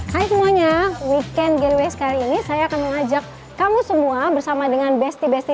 hai semuanya weekend galaways kali ini saya akan mengajak kamu semua bersama dengan besti besti